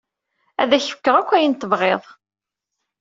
Ad ak-fkeɣ akk ayen tebɣiḍ.